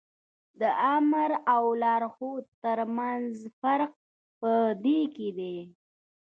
د آمر او لارښود تر منځ فرق په دې کې دی.